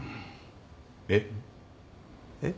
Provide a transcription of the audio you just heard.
えっ？えっ？